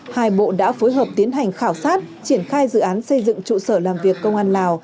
hai bộ đã phối hợp tiến hành khảo sát triển khai dự án xây dựng trụ sở làm việc công an lào